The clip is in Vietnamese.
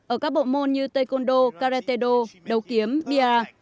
ở các bộ môn như taekwondo karetaedo đấu kiếm dia